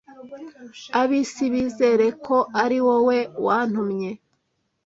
ab’isi bizere ko ari wowe wantumye